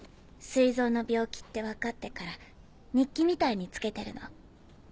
膵臓の病気って分かってから日記みたいにつけてるの。